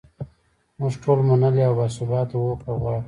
موږ ټول منلې او باثباته هوکړه غواړو.